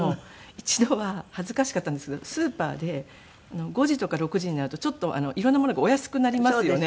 一度は恥ずかしかったんですけどスーパーで５時とか６時になるとちょっと色んなものがお安くなりますよね。